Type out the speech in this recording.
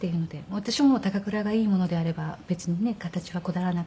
私も高倉がいいものであれば別にね形はこだわらなかった。